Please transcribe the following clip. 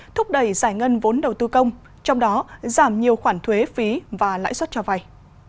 thúc đẩy giải ngân vốn đầu tư công trong đó giảm nhiều khoản thuế phí và lãi suất cho vay